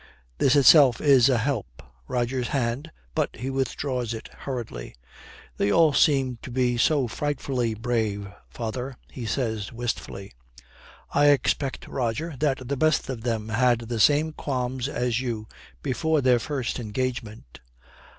This itself is a help. Roger's hand but he withdraws it hurriedly. 'They all seem to be so frightfully brave, father,' he says wistfully. 'I expect, Roger, that the best of them had the same qualms as you before their first engagement.'